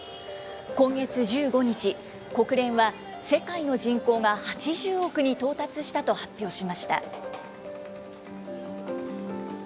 今月１５日、国連は世界の人口が８０億に到達したと発表しました。